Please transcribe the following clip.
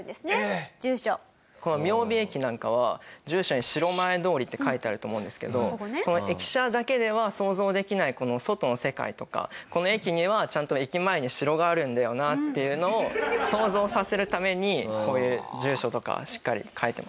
この雅美駅なんかは住所に「城前通り」って書いてあると思うんですけどこの駅舎だけでは想像できない外の世界とかこの駅にはちゃんと駅前に城があるんだよなっていうのを想像させるためにこういう住所とかしっかり書いてました。